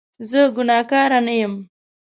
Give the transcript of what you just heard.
زه ګناکاره نه یم